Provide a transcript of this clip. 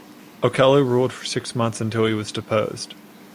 Okello ruled for six months until he was deposed.